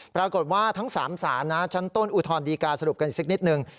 ปรากฏว่าทั้ง๓ศาลนะชั้นต้นอุทธรณดีการสรุปกันอีกสักนิดนึง